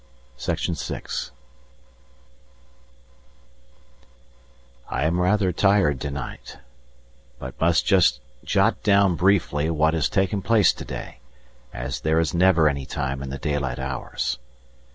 I am rather tired to night, but must just jot down briefly what has taken place to day, as there is never any time in the daylight hours.